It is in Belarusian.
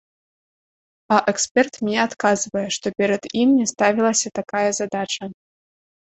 А эксперт мне адказвае, што перад ім не ставілася такая задача.